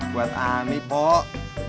buat ani pok